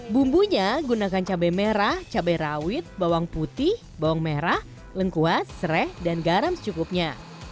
bumbunya gunakan cabai merah cabai rawit bawang putih bawang merah lengkuas serai dan garam secukupnya